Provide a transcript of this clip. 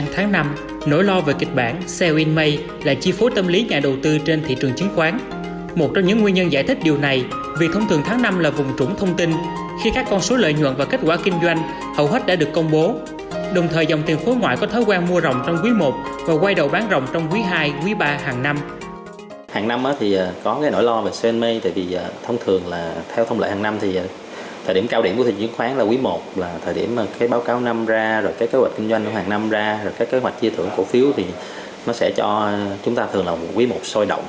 thời điểm cao điểm của thị trường chứng khoán là quý một là thời điểm mà cái báo cáo năm ra rồi cái kế hoạch kinh doanh hàng năm ra rồi cái kế hoạch chia thưởng cổ phiếu thì nó sẽ cho chúng ta thường là quý một sôi động